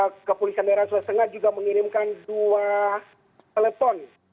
kepolisian daerah sulawesengat juga mengirimkan dua peleton